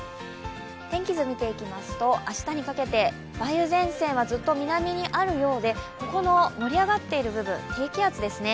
天気図見ていきますと明日にかけて梅雨前線はずっと南にあるようでここの盛り上がってる部分、低気圧ですね。